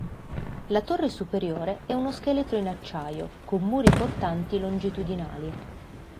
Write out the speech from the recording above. La torre superiore è uno scheletro in acciaio con "muri portanti longitudinali".